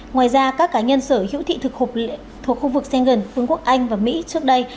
ngoài ra các cá nhân sở hữu thị thực thuộc khu vực sengen phương quốc anh và mỹ trước đây